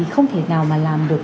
không thể nào mà làm được